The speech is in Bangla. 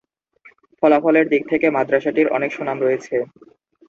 ফলাফলের দিক থেকে মাদ্রাসাটির অনেক সুনাম রয়েছে।